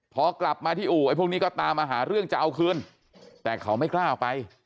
พอกลับมาที่อู่ไอ้พวกนี้ก็ตามมาหาเรื่องจะเอาคืนแต่เขาไม่กล้าเอาไป